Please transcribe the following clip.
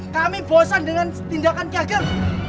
kami bosan dengan tindakan cagam